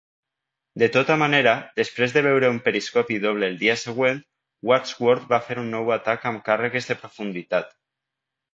De tota manera, després de veure un periscopi doble el dia següent, "Wadsworth" va fer un nou atac amb càrregues de profunditat.